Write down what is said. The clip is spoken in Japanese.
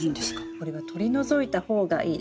これは取り除いた方がいいです。